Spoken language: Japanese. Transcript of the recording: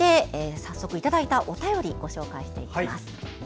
早速いただいたお便りをご紹介していきます。